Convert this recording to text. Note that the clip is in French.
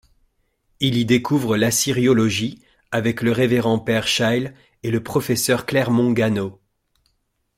Il y découvre l'assyriologie avec le révérend-père Scheil et le Professeur Clermont-Ganneau.